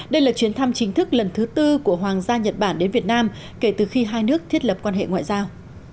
đây là chuyến thăm chính thức lần thứ tư của hoàng gia nhật bản đến việt nam kể từ khi hai nước thiết lập quan hệ ngoại giao